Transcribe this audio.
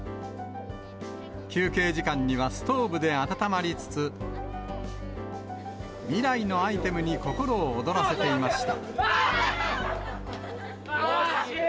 休憩時間にはストーブで温まりつつ、未来のアイテムに心を躍らせていました。